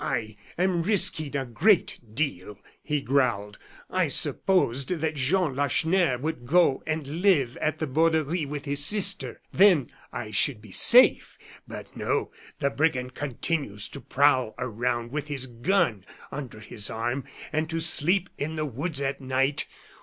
"I am risking a great deal," he growled. "I supposed that Jean Lacheneur would go and live at the Borderie with his sister. Then, I should be safe. But no; the brigand continues to prowl around with his gun under his arm, and to sleep in the woods at night.